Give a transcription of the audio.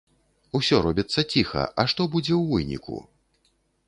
Усё робіцца ціха, а што будзе ў выніку?